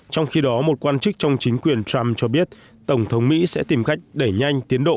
trong khi đó một quan chức trong chính quyền trump cho biết tổng thống mỹ sẽ tìm cách đẩy nhanh tiến độ